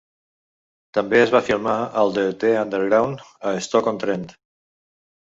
també es va filmar al The Underground, a Stoke on Trent